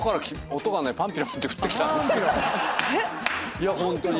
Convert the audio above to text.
いやホントに。